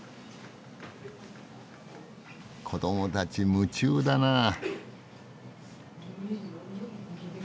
子どもたち夢中だなあ。